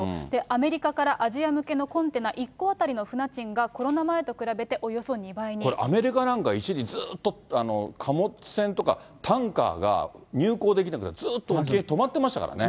アメリカからアジア向けのコンテナ１個当たりの船賃がコロナ前とこれ、アメリカなんかは一時、ずっと貨物船とかタンカーが入港できなくなって、ずっと沖に止まってましたからね。